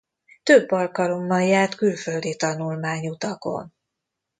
Több alkalommal járt külföldi tanulmányutakon.